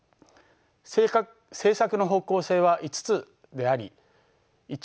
政策の方向性は５つであり１